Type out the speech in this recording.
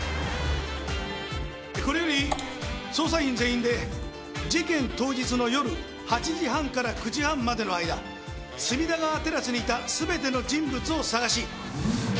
これより捜査員全員で事件当日の夜８時半から９時半までの間隅田川テラスにいた全ての人物を捜し。